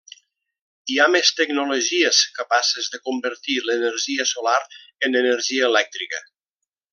Hi ha més tecnologies capaces de convertir l'energia solar en energia elèctrica.